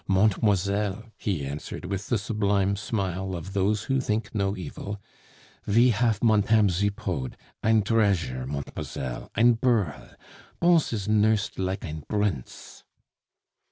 "Montemoiselle," he answered, with the sublime smile of those who think no evil, "ve haf Montame Zipod, ein dreasure, montemoiselle, ein bearl! Bons is nursed like ein brince."